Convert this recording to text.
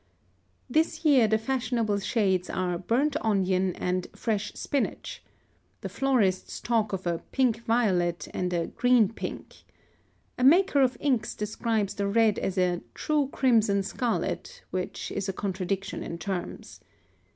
This year the fashionable shades are "burnt onion" and "fresh spinach." The florists talk of a "pink violet" and a "green pink." A maker of inks describes the red as a "true crimson scarlet," which is a contradiction in terms.